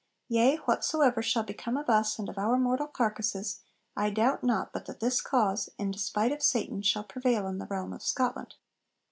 yea, whatsoever shall become of us and of our mortal carcases, I doubt not but that this cause, in despite of Satan, shall prevail in the realm of Scotland.'